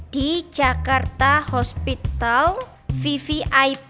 di jakarta hospital vvip